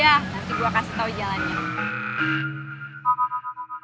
ya nanti gue kasih tau jalannya